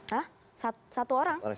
hah satu orang